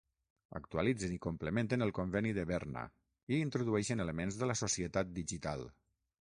Actualitzen i complementen el Conveni de Berna i introdueixen elements de la societat digital.